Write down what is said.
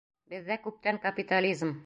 Беҙҙә күптән капитализм!